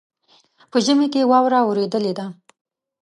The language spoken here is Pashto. په ژمي کې واوره اوریدلې ده.